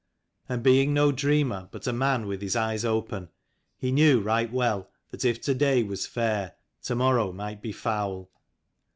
And being no dreamer, but a man with his eyes open, he knew right well that, if to day was fair, to morrow might be foul.